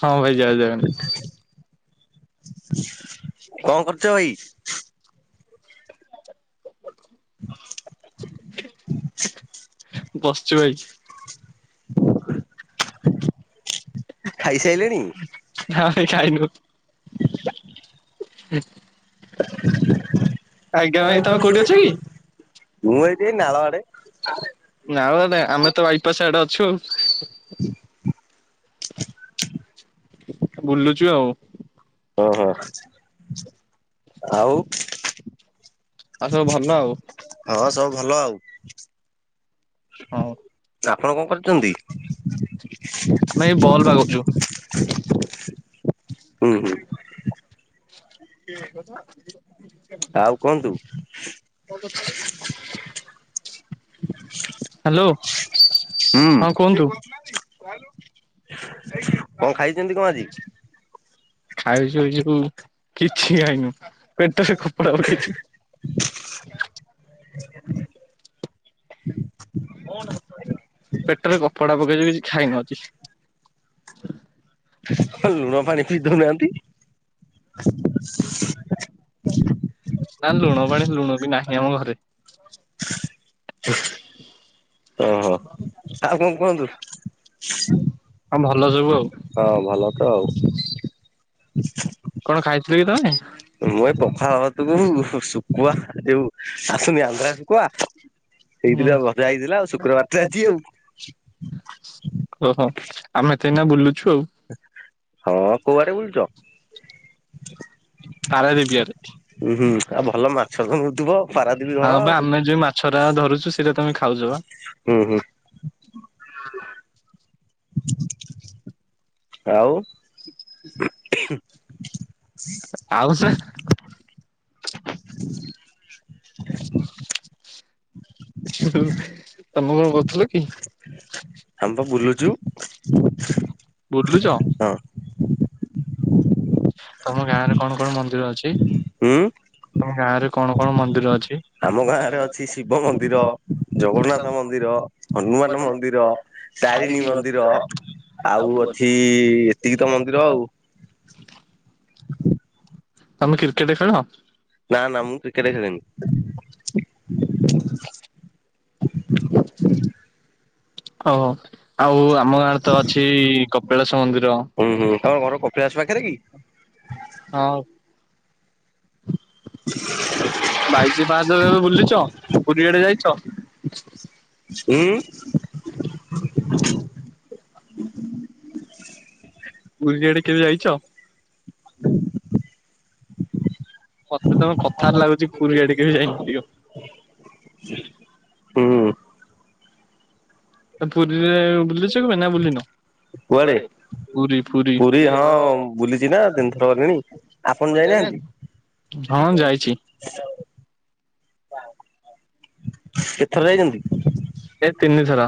ହଁ ଭାଇ ଜୟ ଜଗନ୍ନାଥ କଣ କରୁଛ ଭାଇ? ବସିଛୁ ଭାଇ। [inaudible] ଖାଇସାଇଲେଣି? ହ ଭାଇ ଖାଇନୁ। ଆଜ୍ଞା ଭାଇ ତମେ କୋଉଠି ଅଛ କି? ମୁଁ ଏଇଠି ଏଇ ନାଳ ଆଡେ ନା ଆମେ ତ ବାଇପା ସଡେ ଅଛୁ। [inaudible] ବୁଲୁଚୁ ଆଉ। ଓହୋ, ଆଉ। ଆଉ ସବୁ ଭଲ ଆଉ। ହଁ ସବୁ ଭଲ ଆଉ। ହଁ ଆପଣ କଣ କରୁଛନ୍ତି? ଆମେ ଏଇ ବଲ୍ ବାଗଉଛୁ। ହୁଁ ହୁଁ। ଆଉ କୁହନ୍ତୁ [unintelligible] [inaudible] ହାଲୋ, ହୁଁ ହଁ କୁହନ୍ତୁ? କଣ ଖାଇଛନ୍ତି କଣ ଆଜି? ଖାଉଛୁ ଏ ଯୋଉ, କିଛି ଖାଇନୁ, ପେଟରେ କପଡା ପକେଇଛୁ। [inaudible] ପେଟରେ କପଡା ପକେଇଛୁ କିଛି ଖାଇନୁ ଆଜି। ଲୁଣ ପାଣି ବି ଦଉନାହାନ୍ତି? ନା ଲୁଣ ପାଣି, ଲୁଣ ବି ନାହିଁ ଆମ ଘରେ। ଓହୋ, ଆଉ କଣ କୁହନ୍ତୁ? ହଁ ଭଲ ସବୁ ଆଉ। ହଁ ଭଲ ତ ଆଉ। କଣ ଖାଇଥିଲ କି ତମେ? ମୁଁ ଏ ପଖାଳ ଭାତ କୁ ସୁ ଶୁଖୁଆ ଯୋଉ ଆସୁନି ଆନ୍ଧ୍ରା ଶୁଖୁଆ। ଏଇଥିରେ ଭଜା ହେଇଥିଲା ଆଉ ଶୁକ୍ରବାରଟ ଆଜି ଆଉ। ଓହୋ, ଆମେ ତ ଏଇନା ବୁଲୁଛୁ ଆଉ। ହଁ କୋଉ ଆଡେ ବୁଲୁଛ? ପାରାଦ୍ୱୀପ ଆଡେ। ହୁଁ ହୁଁ, ଆଉ ଭଲ ମାଛ ତ ମିଳୁଥିବ, ପାରାଦୀପ ଘର ଆଉ। ଛରା ଧରୁଛୁ ସେଇଟା ତମେ ଖାଉଛ ବା। ହୁଁ ହୁଁ। ଆଉ। ଆଉ ସେ [inaudible] [inaudible] ତମେ କଣ କରୁଥିଲ କି? ଆମେ ବା ବୁଲୁଛୁ, ବୁଲୁଛ ହଁ। [inaudible] ତମ ଗାଁ ରେ କଣ କଣ ମନ୍ଦିର ଅଛି? ହୁଁ ତମ ଗାଁ ରେ କଣ କଣ ମନ୍ଦିର ଅଛି? ଆମ ଗାଁ ରେ ଅଛି ଶିବ ମନ୍ଦିର, ଜଗନ୍ନାଥ ମନ୍ଦିର, ହନୁମାନ ମନ୍ଦିର। ତାରିଣୀ ମନ୍ଦିର ଆଉ ଅଛି ଏତିକି ତ ମନ୍ଦିର ଆଉ। [inaudible] ତମେ କ୍ରିକେଟ ଖେଳ? ନାଁ ନାଁ ମୁଁ କ୍ରିକେଟେ ଖେଳେନି। ହ ଆଉ। ଆମ ଗାଁରେ ତ ଅଛି କପିଳାସ ମନ୍ଦିର। ହୁଁ ହୁ, ତମ ଘର କପିଳାସ ପାଖରେ କି? ହଁ। ବାଇଶି ପାହଚ ତମେ ବୁଲିଛ? ପୁରୀ ଆଡେ ଯାଇଛ? [inaudible] ଉଁ ପୁରୀ ଆଡେ କେବେ ଯାଇଛ? ମତେ ତମ କଥାରୁ ଲାଗୁଛି ପୁରୀ ଆଡେ କେବେ ବି ଯାଇନଥିବ? ହୁଁ ଉଁ। ତ ପୁରୀରେ ବୁଲିଚ କିବେ ନା ବୁଲିନ? କୁଆଡେ। ପୁରୀ ଫୁରୀ ପୁରୀ ହଁ ବୁଲିଛି ନା ତିନିଥର ଗଲିଣି। ଆପଣ ଯାଇନାହାନ୍ତି? ହଁ ଯାଇଛି। [unintelligible] କେତେ ଥର ଯାଇଛନ୍ତି? ଏ ତିନିଥର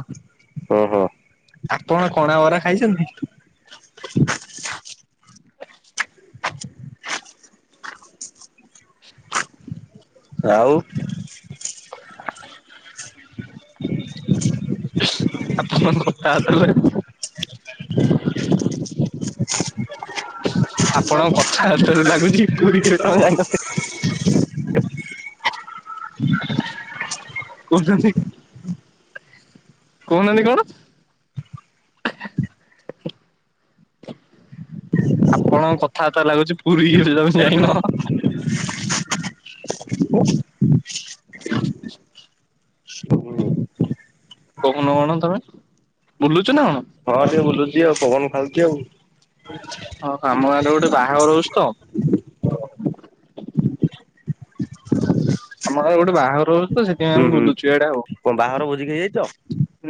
ଉଁ ଓହୋ ହୁଁ ଆପଣ କଣା ବରା ଖାଇଛନ୍ତି? ଆଉ। [inaudible] ଆପଣ କଥାବାର୍ତ୍ତା [unintelligible] [inaudible] ଆପଣଙ୍କ କଥାବାର୍ତ୍ତାରୁ ଲାଗୁଛି ପୁରୀ କେବେ ତମେ ଯାଇନଥି [inaudible] କହୁଛନ୍ତି କହୁନାହାନ୍ତି କଣ? ଆପଣଙ୍କ କଥାବାର୍ତ୍ତାରୁ ଲାଗୁଛି ପୁରୀ କେବେ ତମେ ଯାଇନ। [unintelligible] [unintelligible] କହୁନ କଣ ତମେ ବୁଲୁଛ ନା କଣ ହଁ ଟିକେ ବୁଲୁଚି ଆଉ। ପବନ ଖାଉଚି ଆଉ। [inaudible] ହଁ ଆମ ଗାଁରେ ଗୋଟେ ବାହାଘର ହଉଛି ତ ଆମ ଗାଁ ରେ ଗୋଟେ ବାହାଘର ହଉଛି ତ ସେଥିପାଇଁ ହୁଁ ଆମେ ହୁଁ ବୁଲୁଛୁ ଇଆଡ଼େ ଆଉ। କଣ ବାହାଘର ଭୋଜି ଖାଇ ଯାଇଛ?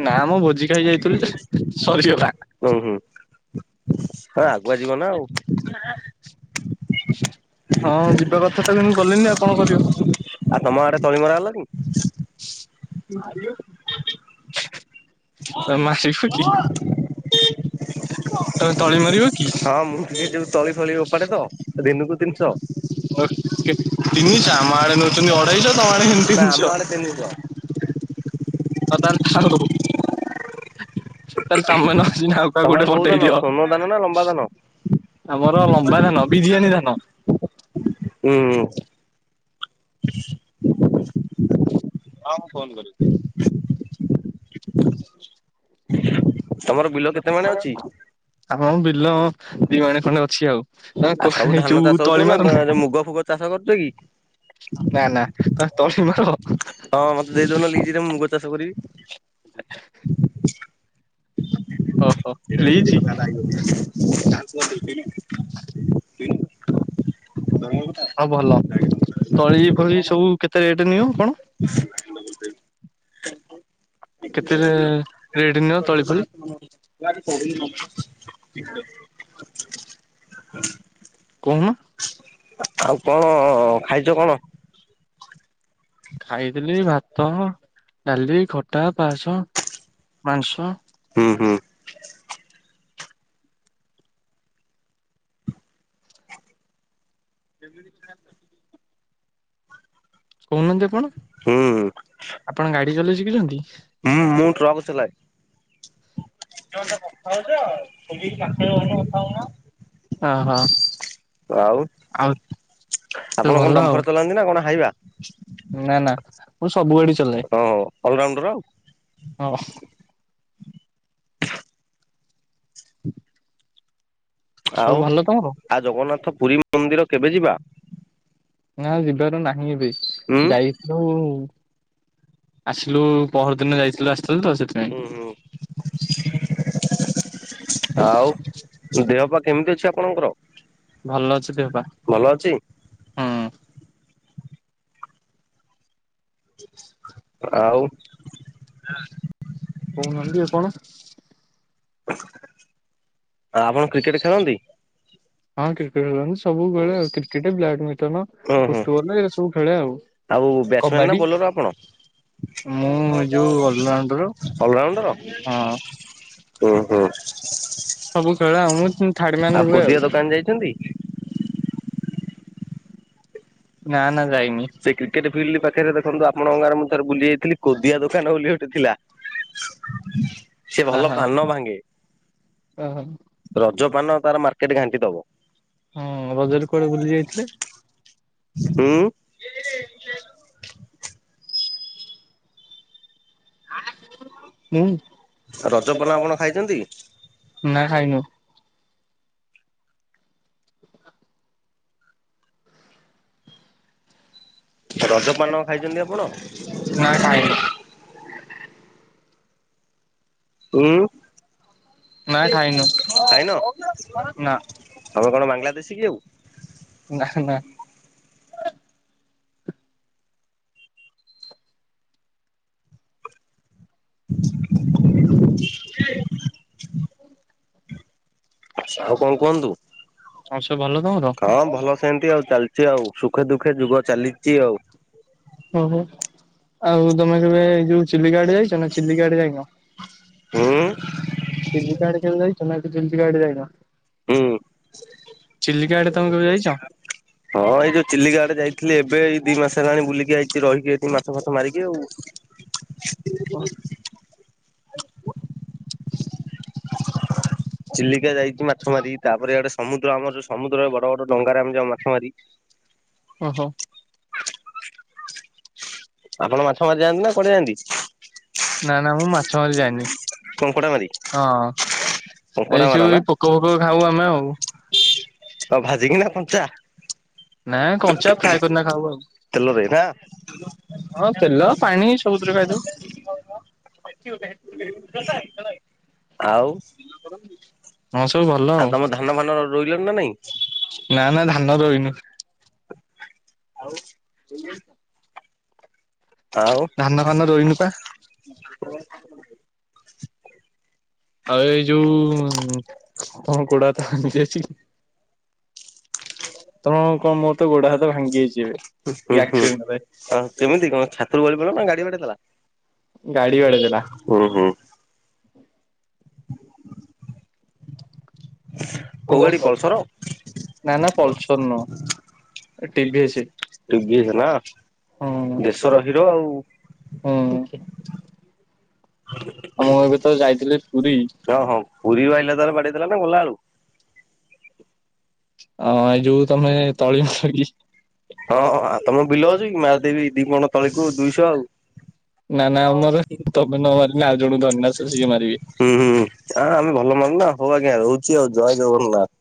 ନାଁ ମ ଭୋଜି [unintelligible] ଯାଇଥିଲୁ ଯେ ସରିଗଲା। ଉଁ ହୁଁ ତମେ ଆଗୁଆ ଯିବ ନା ଆଉ ନାଁ। ହଁ ଯିବା କଥା ତ କିନ୍ତୁ ଗଲେନି ଆଉ କଣ କରିବ ଆ ତମ ଆଡେ ତଳିମରା ହେଲାଣି? [unintelligible] ତମେ ମାରିବ କି? ତମେ ତଳି ମାରିବ କି? [unintelligible] ହଁ ମୁଁ ଟିକେ ଯଉ ତଳି ଫଳି ଉପାଡେ ତ। ଦିନିକୁ ତିନିଶହ। ଅ କେ ତିନିଶ ଆମ ଆଡେ ନଉଛନ୍ତି ଅଢେଇଶହ। ତମ ଆଡେ କେମିତି ତିନିଶହ। ତିନିସ। [unintelligible] ଥାହୁ ତାଲେ ତମେ ନହେଲେ ଆଉ କାହାକୁ ତମ ଗୋଟେ ଆଡେ କୋଉ ପଠେଇ ଧାନ ଦିଅ। ସୋନ ଧାନ ନା ଲମ୍ବା ଧାନ? ଆମର ଲମ୍ବା ଧାନ। ବିରିୟାନୀ ଧାନ। ଉଁ। ହଁ ମୁଁ ଫୋନ୍ କରିବି। ତମର ବିଲ କେତେ ମାଣେ ଅଛି? ଆମ ବିଲ ଦିମାଣେ ଖଣ୍ଡେ ଅଛି ଆଉ। ତମେ ଆଉ କ ସବୁ ଏଇ ଧାନ ଚାଷ ଯଉ ହଉଥିବ ତଳି ନା ମାରନା? ଯୋଉ ମୁଗ ଫୁଗ ଚାଷ କରୁଛ କି? ନାଁ ନାଁ। ତମେ ତଳି ମାର? ହଁ ମତେ ଦେଇଦଉନ ଲିଜ୍ ରେ ମୁଁ ମୁଗ ଚାଷ କରିବି। [unintelligible] ଓହୋ କିଣା ଲିଜ୍ କିଣି କଥା [unintelligible] [unintelligible] ଆଉ ଭଲ। ତଳି ଫଳି ସବୁ କେତେ ରେଟେ ନିିଅ କଣ? [unintelligible] ଡବଲ କେତେ ରେଟ୍ ନିଅ ଯିରୋ ତଳି ଫଳି [unintelligible] [unintelligible] କହୁନ? ଆଉ କଣ ଖାଇଚ କଣ? ଖାଇଥିଲି ଭାତ, ଡାଲି, ଖଟା, ପାସ, ମାଂସ। ହୁଁ ହୁଁ। [unintelligible] କହୁନାହାନ୍ତି ଆପଣ। ହୁଁ ଆପଣ ଗାଡି ଚଲେଇ ଶିଖିଛନ୍ତି? ହୁଁ ମୁଁ ଟ୍ରକ୍ ଚଲାଏ। [unintelligible] ଓହୋ ଆଉ ଆଉ ତ ଆପଣ ଭଲ କଣ ଆଉ ଡମ୍ଫର ଚଲାନ୍ତି? ନା କଣ ହାଇୱା? ନା ନା ମୁଁ ସବୁ ଗାଡି ଚଲା ହଁ ଅଲରାଉଣ୍ଡର। ହଁ। [unintelligible] ସବୁ ଆଉ ଭଲ ତମର? ଆ ଜଗନ୍ନାଥ ପୁରୀ ମନ୍ଦିର କେବେ ଯିବା? ନା ଯିବାର ନାହିଁ ଏବେ ଉଁ ଯାଇ ଯୋଉ ଆସିଲୁ ପହର ଦିନ ଯାଇଥିଲୁ ଆସିଥିଲୁ ତ ସେଥିପାଇଁ ହୁଁ ହୁଁ। ଆଉ ଦେହ ପା କେମିତି ଅଛି ଆପଣଙ୍କର? ଭଲ ଅଛି ଦେହପା। ଭଲ ଅଛି। ଆଉ କହୁନାହାନ୍ତି ଆପଣ? ଆପଣ କ୍ରିକେଟ ଖେଳନ୍ତି? ହଁ କ୍ରିକେଟ ଖେଳନ୍ତି ସବୁ ଖେଳେ କ୍ରିକେଟ ବ୍ୟାଡମିଣ୍ଟନ ହୁଁ ହୁଁ ଫୁଟବଲ ଏଇ ସବୁ ଖେଳେ ଆଉ। ଆଉ ବ୍ୟାଟ୍ସମ୍ୟାନ୍ ନା କବାଡି ବୋଲର ଆପଣ? ମୁଁ ଯୋଉ ଅଲରାଉଣ୍ଡର ଅଲରାଉଣ୍ଡର। ହଁ ହୁଁ ହୁଁ। ସବୁ ଖେଳେ ଆଉ ମୁଁ ଥିର୍ଡ ମାନ ରୁହେ ଆଉ। ଦୋକାନ ଯାଇଛନ୍ତି? ନା ନା ଯାଇନି। ସେ କ୍ରିକେଟ ଫିଲ୍ଡ ପାଖରେ ଦେଖନ୍ତୁ ଆପଣଙ୍କର ଗାଁ ରେ ମୁଁ ଥରେ ବୁଲି ଯାଇଥିଲି କୋଦିଆ ଦୋକାନ ବୋଲି ଗୋଟେ ଥିଲା। ସିଏ ଅହ ଭଲ ପାନ ଭାଙ୍ଗେ। ଅହ ରଜ ପାନ ତାର ମାର୍କେଟ ଘାଣ୍ଟି ଦବ। ହଁ ରଜରେ କୁଆଡେ ବୁଲି ଯାଇଥିଲେ? ହୁଁ। ମୁଁ ରଜ ପାନ ଆପଣ ଖାଇଛନ୍ତି? ନା ଖାଇନୁ। ରଜପାନ ଖାଇଛନ୍ତି ନା ଖାଇନୁ ଆପଣ? ଉୁଁ ନା ଖାଇନୁ ଖାଇନ। ନା ତମେ କଣ ବାଂଲାଦେଶୀ କି ଆଉ? ନା ନା। [unintelligible] ଆଉ କଣ କୁହନ୍ତୁ ଆଉ ସବୁ ଭଲ ତମର ହଁ ଭଲ ସେମତି ଆଉ ଚାଲ [unintelligible] ଆଉ ସୁଖେ ଦୁଃଖେ ଯୁଗ ଚାଲିଛି ଆଉ। ଓହୋ ଆଉ ତମେ କେବେ ଯୋଉ ଚିଲିକା ଆଡେ ଯାଇଛ ନା ଚିଲିକା ଆଡେ ଯାଇନ। ହୁଁ। ଚିଲ୍ଲିକା ଆଡେ କେବେ ଯାଇଛୁ ନା ଚିଲିକା ଆଡେ କେବେ ଯାଇନ। ହୁଁ। ଚିଲିକା ଆଡେ ତମେ କେବେ ଯାଇଛ? ହଁ ଏଇ ଯୋଉ ଚିଲଆଡେ ଯାଇଥିଲି ଏବେ ଏଇ ଦିଇ ମାସ ହେଲାଣି ବୁଲିକି ଆଇଛି ରହିକି ଏଠି ମାଛ ପାଚ ମାରିକି ଆଉ। [unintelligible] [unintelligible] [unintelligible] ଚିଲିକା ଯାଇଛି ମାଛ ମାରି ତାପରେ ଆଡେ ସମୁଦ୍ର ଆମର ସମୁଦ୍ରରେ ବଡ ବଡ ଡଙ୍ଗାରେ ଆମେ ଯାଉ ମାଛ ମାରି। ଓ ହୋ। ଆପଣ ମାଛ ମାରି ଯାଆନ୍ତି ନା କୁଆଡେ ଯାଆନ୍ତି? ନା ନା ମୁଁ ମାଛ ମାରି ଯାଏନି କଙ୍କଡା ମାରି ହଁ। କଙ୍କଡା ଏଇ ଯୋଉ ପୋକ ଫୋକ ଖାଉ ଆମେ ଆଉ ହଉ ଭାଜିକିନା କଞ୍ଚା। ନା କଞ୍ଚା ଫ୍ରାଏ କରି କିନା ଖାଉ ଆଉ ତେଲରେ ନା ହଁ ତେଲ ପାଣି ସବୁଥିରେ ଭାଯୁ ଆଉ ହଁ ସବୁ ଭଲ ଆଉ ତମ ଧାନ ଫାନ ରୋଇଲଣି ନା ନାଇଁ? ନା ନା ଧାନ ରୋଇନୁ ଆଉ ଆଉ ଧାନ ଫାନ ରୋଇନୁ ପା ଆଉ ଏଇ ଯୋଉ ହଁ କଙ୍କଡା ଜେଜି ତମଙ୍କ ମୋ ତୋ ଗୋଡ ହାତ ଭାଙ୍ଗି ହେଇଛିି ଏବେ ହୁଁ, ଏଇ ହୁଁ, ହୁଁ ଆକ୍ସିଡେଣ୍ଟରେ ହ କେମିତି କଣ ଛାତରୁ ଗଳିପଇଲ ନା ଗାଡି ବାଡେଇଦେଲା? ଗାଡି ବାଡେଇଦେଲା। ହୁଁ ହୁଁ। କୋଉ ଗାଡି ପଲସର? ନା ନା ପଲସର ନୁହଁ? ଟି ଭି ଏସ ଟିଭିଏସ୍ ନା ଦେଶର ହିରୋ ହଁ। ଆଉ ହଁ। ଆଉ ମୁଁ ଏବେ ତ ଯାଇଥିଲି ପୁରୀ ଆଇଲାବେଳକୁ ନା ଗଲାବେଳକୁ। ଅହ ଯୋଉ ତମେ ତଳି ମାର କି? ହଁ ହଁଉ ତମର ବିଲ ଅଛି କି ମାରିଦେବି ଦି କଣ ତଳକୁ ଦୁଇଶହ ଆଉ ନା ନା ଆମର ତମେ ନ ମାରିଲେ ଆଉ ଜଣଙ୍କୁ ଧରିନେ ଆସ ସିଏ ମାରିବେ। ହୁଁ ହୁଁ। ଆଁ ଆମେ ଭଲ ମାରୁନା ହଉ ଆଜ୍ଞା ରହୁଛି ଆଉ ଜୟ ଜଗନ୍ନାଥ।